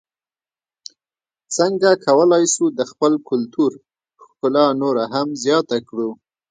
څنګه کولای سو د خپل کلتور ښکلا نوره هم زیاته کړو؟